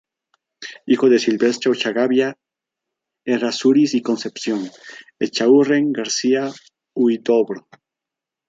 Hijo de Silvestre Ochagavía Errázuriz y Concepción Echaurren García-Huidobro.